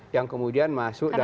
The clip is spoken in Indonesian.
yang kemudian masuk dalam